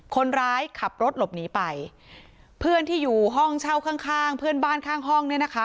คนร้ายขับรถหลบหนีไปเพื่อนที่อยู่ห้องเช่าข้างข้างเพื่อนบ้านข้างห้องเนี่ยนะคะ